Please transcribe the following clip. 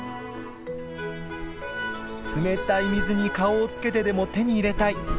冷たい水に顔をつけてでも手に入れたい！